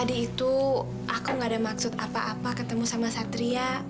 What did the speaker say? enggak ada maksud apa apa ketemu sama satria